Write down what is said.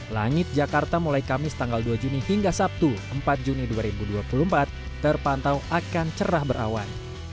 langit jakarta mulai kamis tanggal dua juni hingga sabtu empat juni dua ribu dua puluh empat terpantau akan cerah berawan